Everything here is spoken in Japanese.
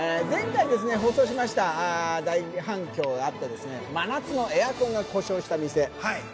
前回放送しました大反響あって、真夏のエアコンが故障した店。